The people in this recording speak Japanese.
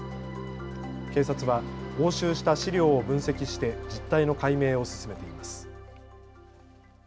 警察は押収した資料を分析して実態の解明を進めています。